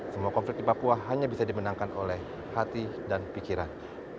semua konflik di papua hanya bisa dimenangkan oleh hati dan pikiran